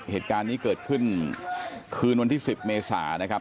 เหตุการณ์นี้เกิดขึ้นคืนวันที่๑๐เมษานะครับ